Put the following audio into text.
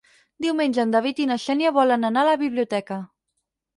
Diumenge en David i na Xènia volen anar a la biblioteca.